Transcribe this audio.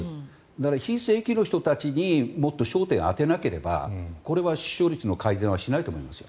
だから、非正規の人たちにもっと焦点を当てなければこれは出生率の改善はしないと思いますよ。